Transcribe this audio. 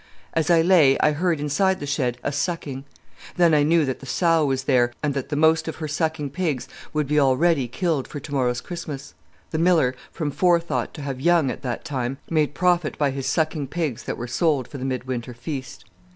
As I lay I heard inside the shed a sucking. Then I knew that the sow was there, and that the most of her sucking pigs would be already killed for tomorrow's Christmas. The miller, from forethought to have young at that time, made profit by his sucking pigs that were sold for the mid winter feast.